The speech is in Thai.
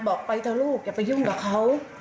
บอกไปเถอะลูกอย่าไปยุ่งกับเขา